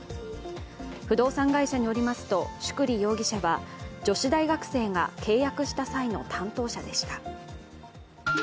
不動産会社によりますと、宿利容疑者は女子大学生が契約した際の担当者でした。